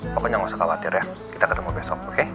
pokoknya gak usah khawatir ya kita ketemu besok